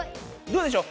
どうでしょ